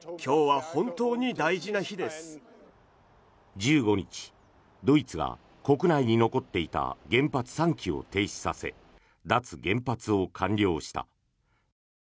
１５日、ドイツが国内に残っていた原発３基を停止させプシュ！